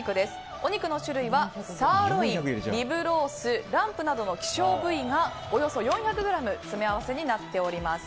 お肉の種類はサーロインリブロース、ランプなどの希少部位が、およそ４００ｇ詰め合わせになっております。